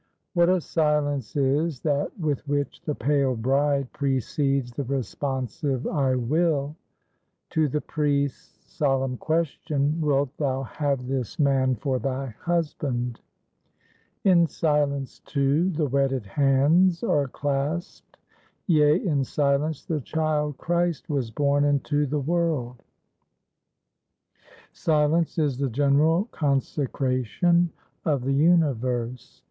What a silence is that with which the pale bride precedes the responsive I will, to the priest's solemn question, Wilt thou have this man for thy husband? In silence, too, the wedded hands are clasped. Yea, in silence the child Christ was born into the world. Silence is the general consecration of the universe.